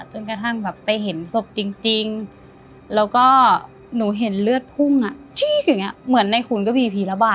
จนกระทั่งแบบไปเห็นศพจริงแล้วก็หนูเห็นเลือดพุ่งอะเหมือนในคุณก็บีละบาท